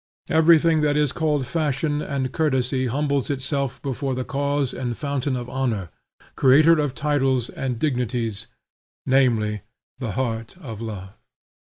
Everything that is called fashion and courtesy humbles itself before the cause and fountain of honor, creator of titles and dignities, namely the heart of love.